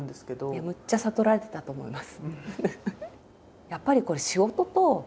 むっちゃ悟られてたと思います。